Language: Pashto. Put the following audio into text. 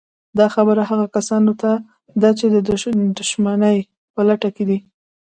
دا خبره هغو کسانو ته ده چې د شتمنۍ په لټه کې دي